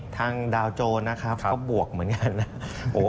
ทางดาวโจรนะครับก็บวกเหมือนกันนะ